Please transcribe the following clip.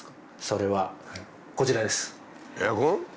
それはこちらです。